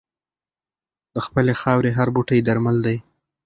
د خپلې خاورې هر بوټی درمل دی.